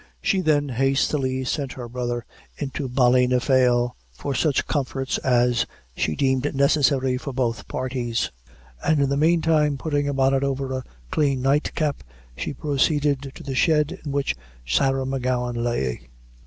She then hastily sent her brother into Ballynafail for such comforts as she deemed necessary for both parties; and in the mean time, putting a bonnet over her clean nightcap, she proceeded to the shed in which Sarah M'Gowan lay.